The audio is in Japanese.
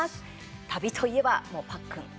旅といえばもう、パックン。